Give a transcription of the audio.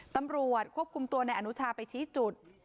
ตำรวจควบคุมตัวในอนุชาไปชี้จุด